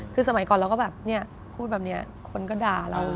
คือสมัยก่อนเราก็แบบเนี่ยพูดแบบนี้คนก็ด่าเรา